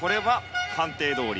判定どおり。